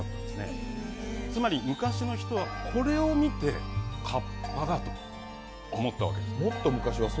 つまり、昔の人はこれを見て、かっぱだと思ったわけです。